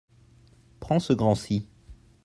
Prends ce grand-ci.